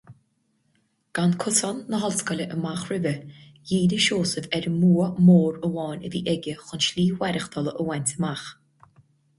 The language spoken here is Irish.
Gan cosán na hollscoile amach roimhe, dhírigh Seosamh ar an mbua mór amháin a bhí aige chun slí mhaireachtála a bhaint amach.